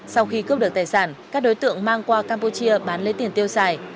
sau khi cướp được tài sản các đối tượng mang qua campuchia bán lấy tiền tiêu xài